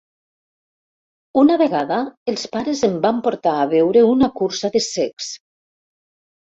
Una vegada els pares em van portar a veure una cursa de cecs.